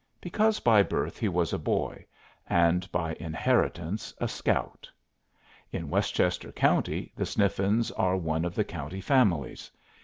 Because by birth he was a boy, and by inheritance a scout. In Westchester County the Sniffens are one of the county families.